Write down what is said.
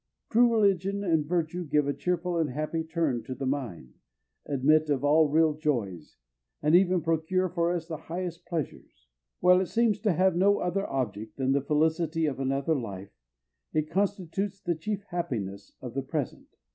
True religion and virtue give a cheerful and happy turn to the mind, admit of all real joys, and even procure for us the highest pleasures. While it seems to have no other object than the felicity of another life it constitutes the chief happiness of the present.